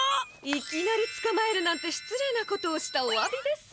いきなりつかまえるなんてしつれいなことをしたおわびです。